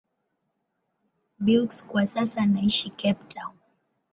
Beukes kwa sasa anaishi Cape Town.